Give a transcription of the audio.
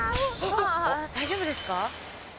大丈夫ですか？